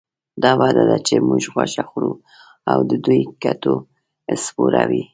دا بده ده چې موږ غوښه خورو او د دوی کټوه سپوره وي.